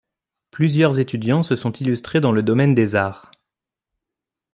Plusieurs étudiants se sont illustrés dans le domaine des arts.